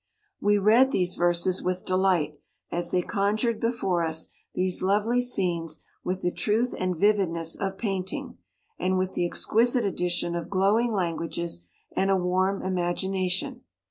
We read these verses with delight, as they conjured before us these lovely scenes with the truth and vividness of painting, and with the exquisite addition of glowing language and a warm imagination.